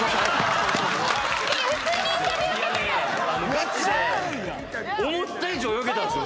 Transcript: がちで思った以上泳げたんですよ